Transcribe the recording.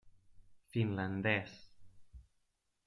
Finlandès: